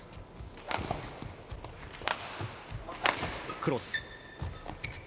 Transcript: クロス。